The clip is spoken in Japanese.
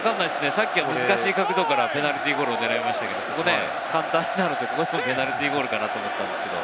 さっきは難しい角度からペナルティーゴールを狙いましたから、ここでもペナルティーゴールかなと思ったんですけど。